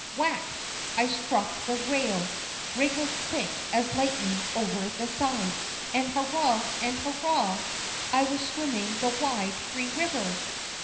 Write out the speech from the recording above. Whack! I struck the rail, wriggled quick as lightning over the side, and hurrah and hurrah! I was swimming the wide, free river!